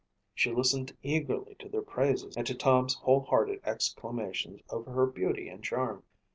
She listened eagerly to their praises and to Tom's whole hearted exclamations over her beauty and charm.